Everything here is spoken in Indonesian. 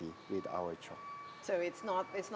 jadi ini bukan perangkat yang sulit bukan